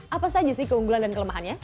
apa saja sih keunggulan dan kelemahannya